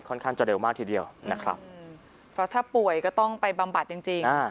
ค่อนข้างจะเร็วมากทีเดียวนะครับเพราะถ้าป่วยก็ต้องไปบำบัดจริงจริงอ่า